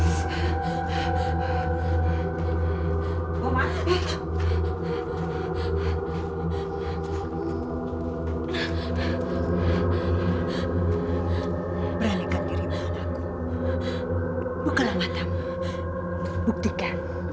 sampai jumpa di video selanjutnya